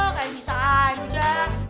kayak bisa aja